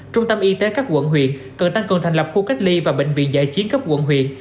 trung tâm y tế các quận huyện cần tăng cường thành lập khu cách ly và bệnh viện giải chiến cấp quận huyện